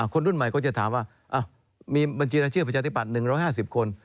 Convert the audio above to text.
คนรุ่นใหม่ก็จะถามว่ามีบัญชีรายชื่อประชาธิบัตย์๑๕๐คน